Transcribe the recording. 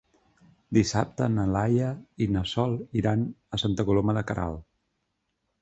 Dissabte na Laia i na Sol iran a Santa Coloma de Queralt.